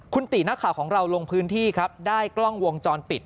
คุณตินักข่าวของเราลงพื้นที่ครับได้กล้องวงจรปิด